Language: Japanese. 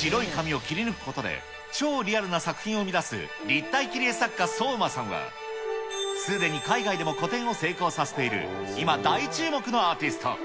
白い紙を切り抜くことで、超リアルな作品を生み出す立体切り絵作家、ソウマさんは、すでに海外でも個展を成功させている、今、大注目のアーティスト。